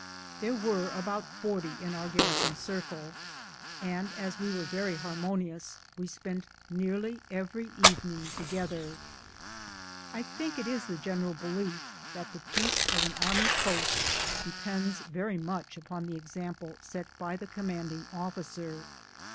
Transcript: There were about forty in our garrison circle, and as we were very harmonious we spent nearly every evening together. I think it is the general belief that the peace of an array post depends very much upon the example set by the commanding officer.